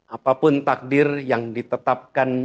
apapun takdir yang ditetapkan